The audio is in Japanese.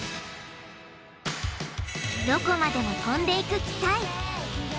どこまでも飛んでいく機体。